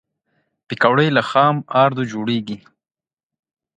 پکورې له خام آردو جوړېږي